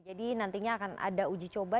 jadi nantinya akan ada uji coba